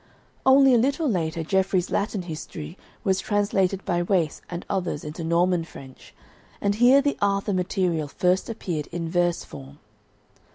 Only a little later Geoffrey's Latin history was translated by Wace and others into Norman French, and here the Arthur material first appeared in verse form.